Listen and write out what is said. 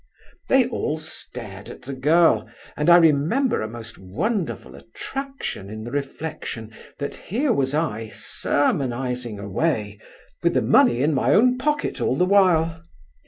They all stared at the girl, and I remember a wonderful attraction in the reflection that here was I sermonizing away, with the money in my own pocket all the while.